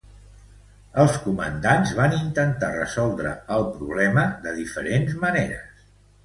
Els comandants van intentar resoldre el problema de diferents maneres.